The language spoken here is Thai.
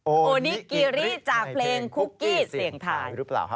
โอนิกิริจากเพลงคุกกี้เสียงทาง